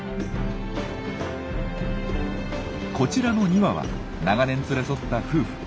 こちらの２羽は長年連れ添った夫婦。